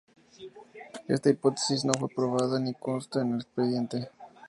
Esta hipótesis no fue probada ni consta en el expediente.